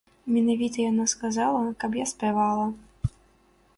Менавіта яна сказала, каб я спявала.